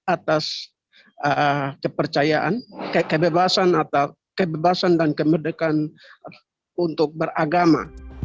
atas kepercayaan kebebasan kebebasan dan kemerdekaan untuk beragama